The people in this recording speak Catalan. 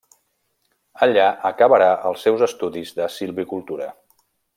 Allà acabarà els seus estudis de silvicultura.